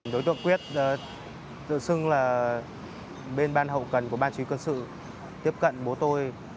đối tượng quyết tự xưng là bên ban hậu cần của ban chỉ huy quân sự tiếp cận bố tôi